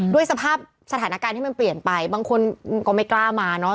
ด้วยสภาพสถานการณ์ที่มันเปลี่ยนไปบางคนก็ไม่กล้ามาเนอะ